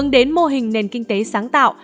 đến mô hình nền kinh tế sáng tạo